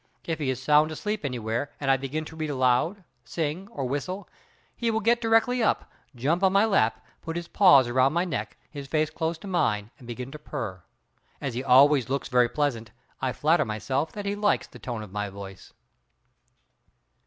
If he is sound asleep anywhere, and I begin to read aloud, sing, or whistle, he will get directly up, jump on my lap, put his paws about my neck, his face close to mine, and begin to purr. As he always looks very pleasant I flatter myself he likes the tone of my voice.